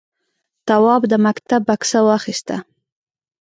تواب د مکتب بکسه واخیسته.